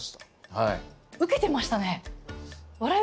はい。